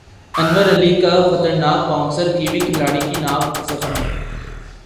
انور علی کا خطرناک bouncer Kiwi کھلاڑی کی نکھ زخمی